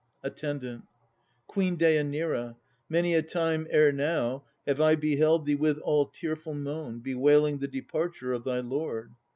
ATTENDANT. Queen Dêanira, many a time ere now Have I beheld thee with all tearful moan Bewailing the departure of thy lord.